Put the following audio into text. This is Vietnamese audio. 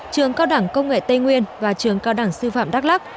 trường cao đẳng công nghệ tây nguyên và trường cao đẳng sư phạm đắk lắc